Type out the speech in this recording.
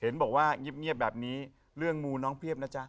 เห็นบอกว่าเงียบแบบนี้เรื่องมูน้องเพียบนะจ๊ะ